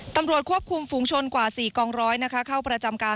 ตำรวจควบคุมฝุงชนกว่า๔กองร้อยนะคะ